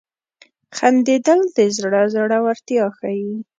• خندېدل د زړه زړورتیا ښيي.